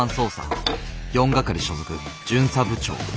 ４係所属巡査部長。